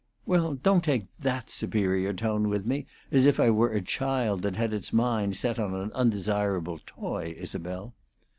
"Well, don't take that superior tone with me, as if I were a child that had its mind set on an undesirable toy, Isabel."